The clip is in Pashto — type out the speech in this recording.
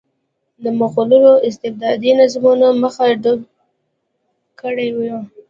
د مغولو استبدادي نظامونو مخه ډپ کړې وه.